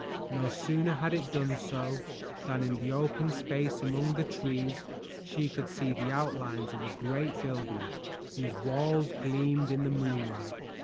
No sooner had it done so than in the open space among the trees she could see the outlines of a great building whose walls gleamed in the moonlight.